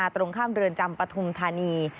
ตรงข้ามเดือนจำปะทุมทันี